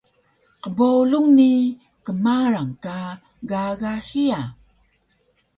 qbowlung ni kmarang ka gaga hiya